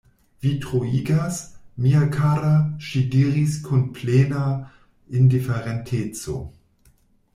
Vi troigas, mia kara, ŝi diris kun plena indiferenteco.